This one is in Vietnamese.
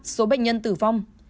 ba số bệnh nhân tử vong